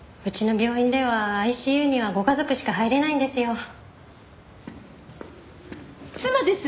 うちの病院ではＩＣＵにはご家族しか入れないんですよ。